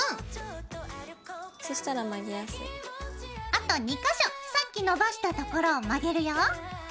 あと２か所さっき伸ばしたところを曲げるよ！